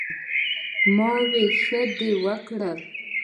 " ـ ما وې " ښۀ دې وکړۀ " ـ